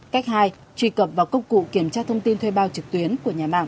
cách hai truy cập vào công cụ kiểm tra thông tin thuê bao trực tuyến của nhà mạng